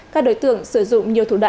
các đối tượng sử dụng nhiều thủ đoạn tinh vi